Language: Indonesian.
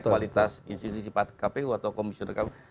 kualitas institusi kpu atau komisioner kpu